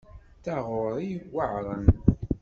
D taɣuri yuεren.